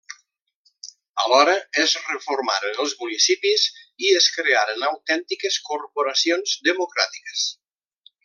Alhora es reformaren els municipis i es crearen autèntiques corporacions democràtiques.